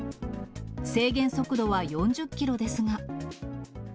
制限速度は４０キロですが。